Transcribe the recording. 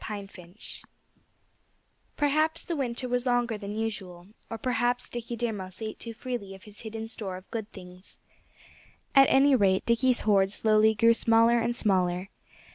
PINE FINCH Perhaps the winter was longer than usual; or perhaps Dickie Deer Mouse ate too freely of his hidden store of good things. At any rate, Dickie's hoard slowly grew smaller and smaller.